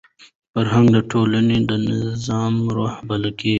فرهنګ د ټولني د نظم روح بلل کېږي.